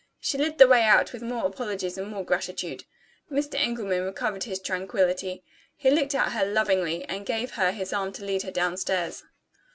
She led the way out, with more apologies and more gratitude. Mr. Engelman recovered his tranquillity. He looked at her lovingly, and gave her his arm to lead her down stairs.